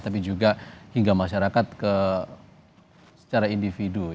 tapi juga hingga masyarakat secara individu